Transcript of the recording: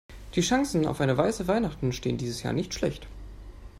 Die Chancen auf eine weiße Weihnacht stehen dieses Jahr nicht schlecht.